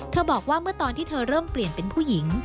บอกว่าเมื่อตอนที่เธอเริ่มเปลี่ยนเป็นผู้หญิง